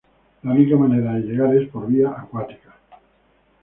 La única manera de llegar es por vía acuática.